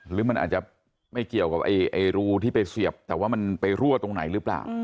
หรือมันอาจจะไม่เกี่ยวกับรูที่ไปเสียบแต่ว่ามันไปรั่วตรงไหนหรือเปล่า